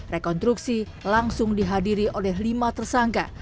rekonstruksi langsung dihadiri oleh lima tersangka